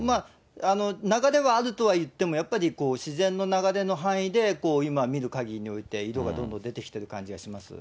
流れはあるとはいっても、やっぱり自然の流れの範囲で、今見るかぎりにおいて色がどんどん出てきてる感じがします。